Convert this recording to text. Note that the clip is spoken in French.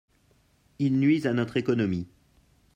Ils nuisent à notre économie.